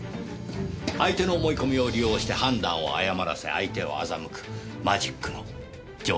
相手の思い込みを利用して判断を誤らせ相手を欺くマジックの常套手段です。